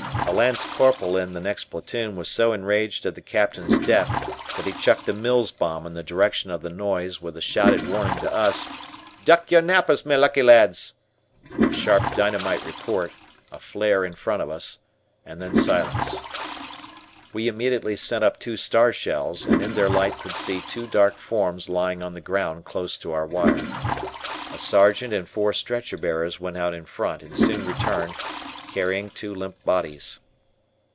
A lance corporal in the next platoon was so enraged at the Captain's death that he chucked a Mills bomb in the direction of the noise with the shouted warning to us: "Duck your nappers' my lucky lads." A sharp dynamite report, a flare in front of us, and then silence. We immediately sent up two star shells, and in their light could see two dark forms lying on the ground close to our wire. A sergeant and four Stretcher bearers went out in front and soon returned, carrying two limp bodies.